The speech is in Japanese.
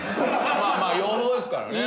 まあまあ予報ですからね。